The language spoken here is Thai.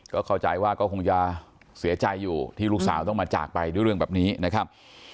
ก็เข้าใจว่าก็คงจะเสียใจอยู่ที่ลูกสาวต้องมาจากไปด้วยเรื่องแบบนี้นะครับ